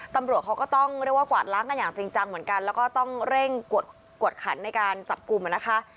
ตำรวจเขาก็ต้องเรียกว่ากวาดล้างกันอย่างจริงจังเหมือนกันแล้วก็ต้องเร่งกวดขันในการจับกลุ่มนะคะ